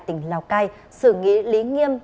tỉnh lào cai sự nghĩa lý nghiêm